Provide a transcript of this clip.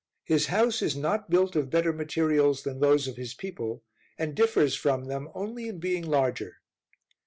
His house is not built of better materials than those of his people, and differs from them only in being larger.